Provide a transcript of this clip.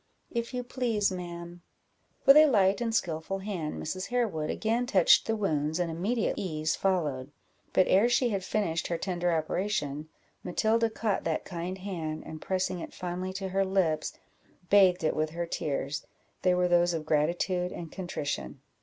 "If you please, ma'am." With a light and skilful hand, Mrs. Harewood again touched the wounds, and immediate ease followed; but ere she had finished her tender operation, Matilda caught that kind hand, and, pressing it fondly to her lips, bathed it with her tears; they were those of gratitude and contrition.